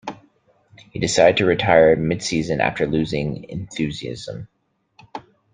He decided to retire midseason after losing enthusiasm.